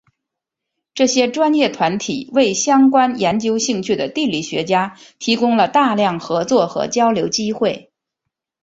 这些专业团体为相关研究兴趣的地理学家提供了大量合作和交流机会。